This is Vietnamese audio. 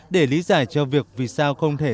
để lý giải cho việc vì sao không thể